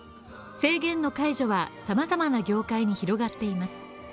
制限の解除は、様々な業界に広がっています。